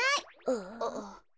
ああ。